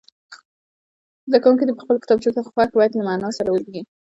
زده کوونکي دې په خپلو کتابچو کې خوښ بیت له معنا سره ولیکي.